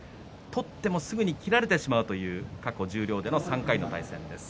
取ってもすぐに切られてしまうという過去、十両での３回の対戦です。